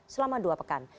selama dua pekan